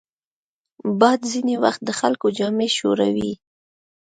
باد ځینې وخت د خلکو جامې ښوروي